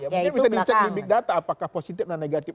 ya mungkin bisa di cek di big data apakah positif dan negatif